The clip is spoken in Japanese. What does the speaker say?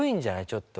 ちょっと。